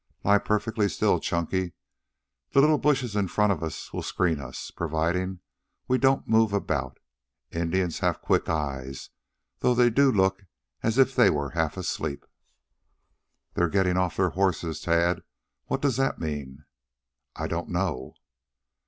"Lie perfectly still, Chunky. The little bushes in front of us will screen us, providing we don't move about. Indians have quick eyes, though they do look as if they were half asleep." "They're getting off their horses, Tad. What does that mean?" "I don't know."